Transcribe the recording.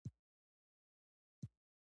• د علیزي قوم ښځې هم د غیرت نمونې دي.